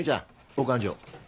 お勘定。